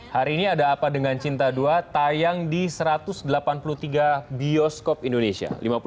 hari ini ada apa dengan cinta dua tayang di satu ratus delapan puluh tiga bioskop indonesia